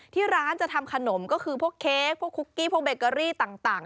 ที่ร้านจะทำขนมก็คือพวกเค้กพวกคุกกี้พวกเบเกอรี่ต่าง